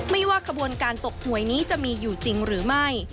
ว่าขบวนการตกหวยนี้จะมีอยู่จริงหรือไม่